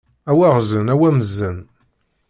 A waɣzen a wamzen!